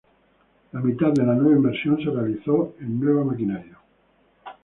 La mitad de la nueva inversión se realizó en nueva maquinaria.